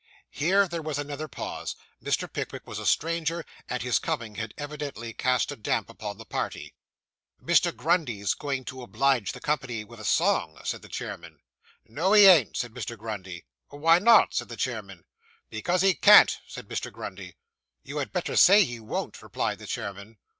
Here there was another pause. Mr. Pickwick was a stranger, and his coming had evidently cast a damp upon the party. 'Mr. Grundy's going to oblige the company with a song,' said the chairman. 'No, he ain't,' said Mr. Grundy. 'Why not?' said the chairman. 'Because he can't,' said Mr. Grundy. 'You had better say he won't,' replied the chairman.